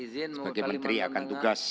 sebagai menteri akan tugas